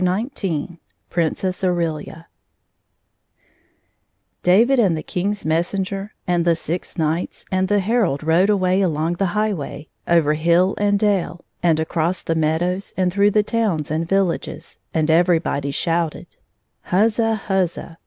185 XIX Princess Aurelia DAVID, and the King's messenger, and the six knights, and the herald rode away along the highway, over hill and dale, and across the meadows and through the towns and villages, and everyhody shouted, "Huzza! huzza!"